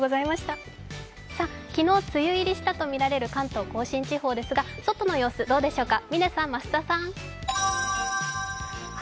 昨日、梅雨入りしたとみられる関東甲信地方ですが外の様子どうでしょうか。